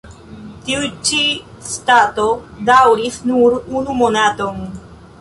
Tiu ĉi stato daŭris nur unu monaton.